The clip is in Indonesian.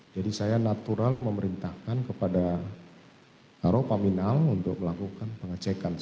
jadi saya natural memerintahkan kepada karo paminal untuk melakukan pengecekan